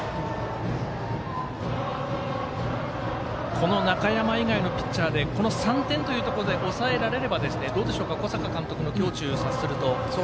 この中山以外のピッチャーで３点というところで抑えられれば小坂監督の胸中を察すると。